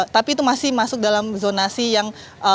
tapi itu masih masuk dalam zonasi yang